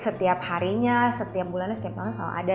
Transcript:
setiap harinya setiap bulannya setiap tahun selalu ada